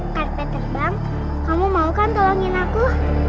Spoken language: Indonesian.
karpet terbang kamu mau kan tolongin aku